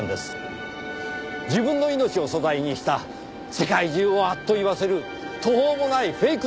自分の命を素材にした世界中をあっと言わせる途方もないフェイク